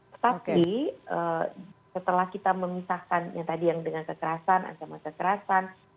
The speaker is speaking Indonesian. tetapi setelah kita memisahkannya tadi yang dengan kekerasan ancaman kekerasan